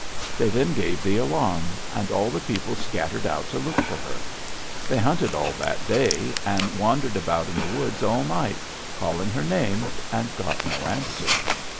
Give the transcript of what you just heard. They then gave the alarm, and all the people scattered out to look for her. They hunted all that day, and wandered about in the woods all night, calling her name, and got no answer.